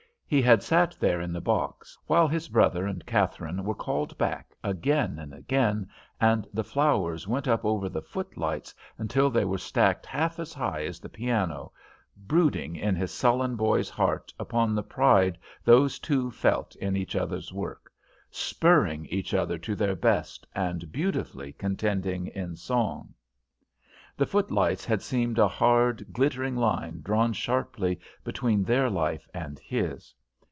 He had sat there in the box while his brother and Katherine were called back again and again, and the flowers went up over the footlights until they were stacked half as high as the piano brooding in his sullen boy's heart upon the pride those two felt in each other's work spurring each other to their best and beautifully contending in song. The footlights had seemed a hard, glittering line drawn sharply between their life and his.